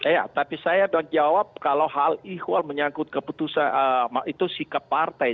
ya tapi saya menjawab kalau hal ikhwal menyangkut keputusan itu sikap partai